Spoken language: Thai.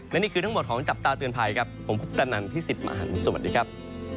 และนี่คือทั้งหมดของจับตาเตือนภัยครับผมคุปตนันพี่สิทธิ์มหันฯสวัสดีครับ